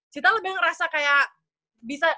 kita lebih ngerasa kayak bisa